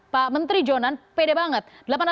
pak menteri jonan pede banget